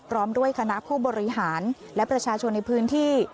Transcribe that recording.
ด้วยคณะผู้บริหารและประชาชนในพื้นที่